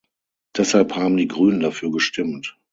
Deshalb haben die Grünen dafür gestimmt.